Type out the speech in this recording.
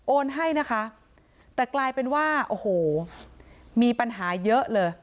ให้นะคะแต่กลายเป็นว่าโอ้โหมีปัญหาเยอะเลย